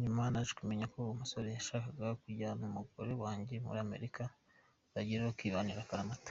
Nyuma naje kumenyako uwo musore yashakaga kujyana umugore wanjye muri Amerika bagerayo bakibanira akaramata.